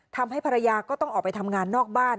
ทำให้ภรรยาก็ต้องออกไปทำงานนอกบ้าน